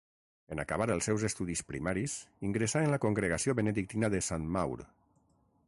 En acabar els seus estudis primaris ingressà en la congregació benedictina de Sant Maur.